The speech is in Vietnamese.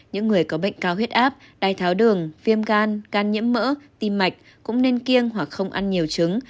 những người có bệnh cao huyết áp đai tháo đường viêm gan can nhiễm mỡ tim mạch cũng nên kiêng hoặc không ăn nhiều trứng